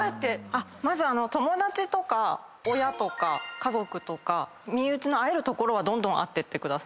まず友達とか親とか家族とか身内の会えるところはどんどん会ってってください。